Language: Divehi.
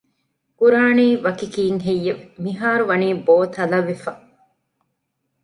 ކުރާނީ ވަކި ކީއްހެއްޔެވެ؟ މިހާރު ވަނީ ބޯ ތަލަވެފަ